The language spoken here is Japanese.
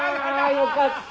よかった！